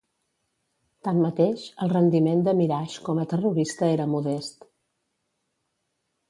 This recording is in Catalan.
Tanmateix, el rendiment de Mirage com a terrorista era modest.